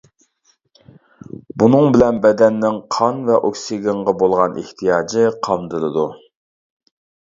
بۇنىڭ بىلەن بەدەننىڭ قان ۋە ئوكسىگېنغا بولغان ئېھتىياجى قامدىلىدۇ.